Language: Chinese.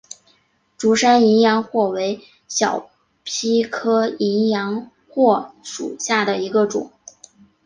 竹山淫羊藿为小檗科淫羊藿属下的一个种。